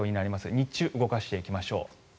日中、動かしていきましょう。